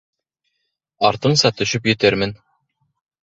Артыңса төшөп етермен.